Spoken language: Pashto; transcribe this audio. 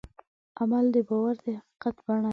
عمل د باور د حقیقت بڼه ده.